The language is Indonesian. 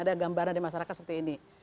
ada gambar ada di masyarakat seperti ini